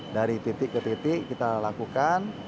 dari titik ke titik kita lakukan